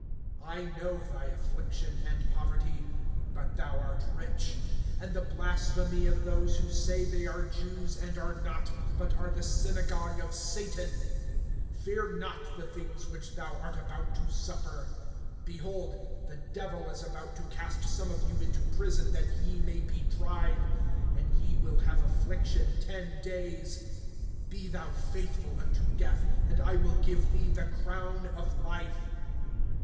(9)I know thy affliction, and poverty (but thou art rich), and the blasphemy of those who say they are Jews, and are not, but are the synagogue of Satan. (10)Fear not the things which thou art about to suffer. Behold, the Devil is about to cast some of you into prison, that ye may be tried; and ye will have affliction ten days. Be thou faithful unto death, and I will give thee the crown of life.